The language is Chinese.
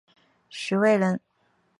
徐渭人。